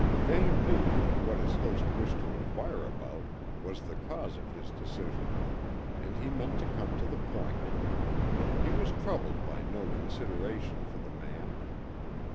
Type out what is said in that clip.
Vane knew that what his host wished to inquire about was the cause of his decision, and he meant to come to the point. He was troubled by no consideration for the man.